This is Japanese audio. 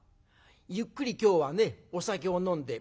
ゆっくり今日はねお酒を飲んで。